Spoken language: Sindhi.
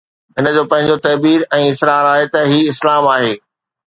هن جو پنهنجو تعبير ۽ اصرار آهي ته هي اسلام آهي.